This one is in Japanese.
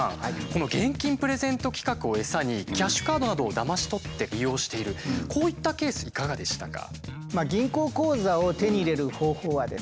この現金プレゼント企画をエサにキャッシュカードなどをだまし取って利用しているこういったケースいかがでしたか？